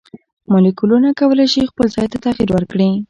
مالیکولونه کولی شي خپل ځای ته تغیر ورکړي.